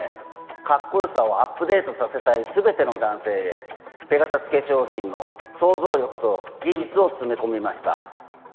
カッコ良さをアップデートさせたい全ての男性へペガサス化粧品の創造力と技術を詰め込みました。